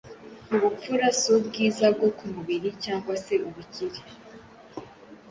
Ubupfura: s'ubwiza bwo ku mubili cyangwa se ubukire